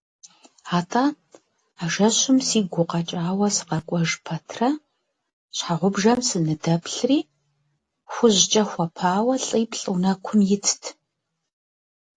Атӏэ, а жэщым сигу укъэкӏауэ сыкъэкӏуэж пэтрэ, щхьэгъубжэм сыныдэплъри, хужькӏэ хуэпауэ лӏиплӏ унэкум итт.